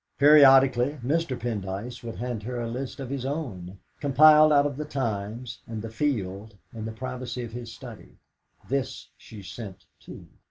Periodically Mr. Pendyce would hand her a list of his own, compiled out of the Times and the Field in the privacy of his study; this she sent too.